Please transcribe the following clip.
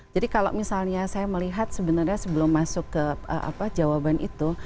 jadi kalau misalnya saya melihat sebenarnya sebelum masuk ke jawaban itu